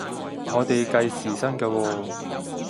我哋計時薪嘅喎？